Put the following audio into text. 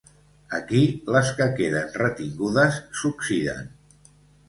Aquí les que queden retingudes s'oxiden.